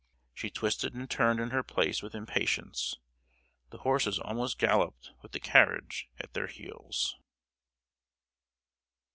She twisted and turned in her place with impatience,—the horses almost galloped with the carriage at their heels.